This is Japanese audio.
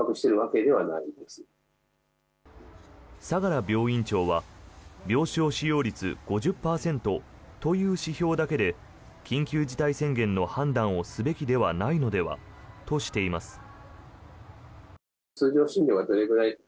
相良病院長は病床使用率５０％という指標だけで緊急事態宣言の判断をすべきではないのではとしています。